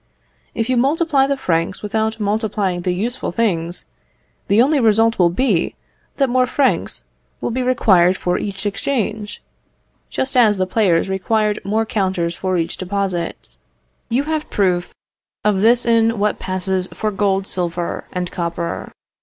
If you multiply the francs without multiplying the useful things, the only result will be, that more francs will be required for each exchange, just as the players required more counters for each deposit. You have the proof of this in what passes for gold silver, and copper.